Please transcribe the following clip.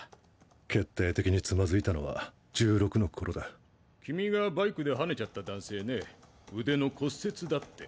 決定的に躓いたのは１６の頃だ君がバイクで轢ねちゃった男性ね腕の骨折だって。